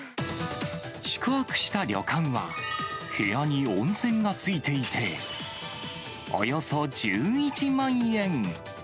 宿泊した旅館は、部屋に温泉が付いていて、およそ１１万円。